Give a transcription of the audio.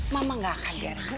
mama gak akan biarkan